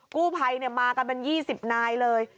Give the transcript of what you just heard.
กู้ภัยมากันเป็น๒๐นายเลย